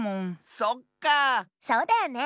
そうだよね！